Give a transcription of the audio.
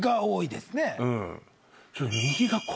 多いですね。